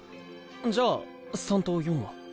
じゃあ３と４は？